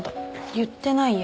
言ってないや。